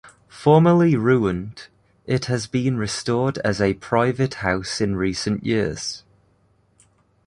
Formerly ruined, it has been restored as a private house in recent years.